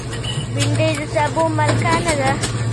بېنډۍ د سابو ملکانه ده